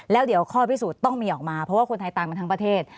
แล้วเดี๋ยวข้อพิสูจน์ต้องมีออกมาเพราะว่าคนไทยตามมาทั้งประเทศ